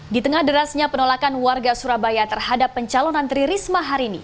di tengah derasnya penolakan warga surabaya terhadap pencalonan tri risma hari ini